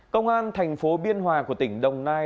công an thành phố biên hòa của tỉnh đồng nai